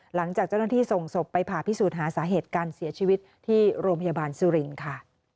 หลังจากเจ้าหน้าที่ส่งศพไปผ่าพิสูจน์หาสาเหตุการเสียชีวิตที่โรงพยาบาลสุรินทร์ค่ะ